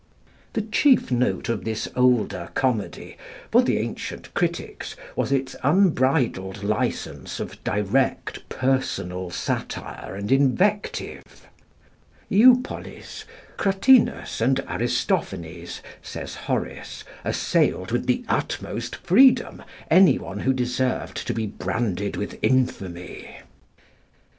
The chief note of this older comedy for the ancient critics was its unbridled license of direct personal satire and invective. Eupolis, Cratinus, and Aristophanes, says Horace, assailed with the utmost freedom any one who deserved to be branded with infamy.